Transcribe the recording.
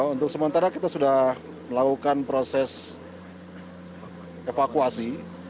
untuk sementara kita sudah melakukan proses evakuasi